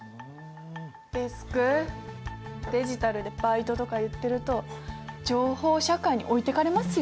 デスク「デジタルでバイト」とか言ってると情報社会に置いてかれますよ。